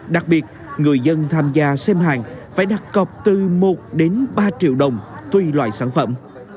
đặc biệt người dân tham gia xếp hàng phải đặt cọc từ một đến ba triệu đồng tùy loại sản phẩm